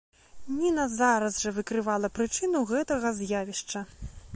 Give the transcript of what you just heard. Ніна зараз жа выкрывала прычыну гэтага з'явішча.